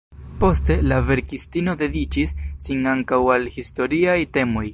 Poste, la verkistino dediĉis sin ankaŭ al historiaj temoj.